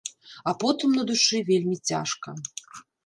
А потым на душы вельмі цяжка.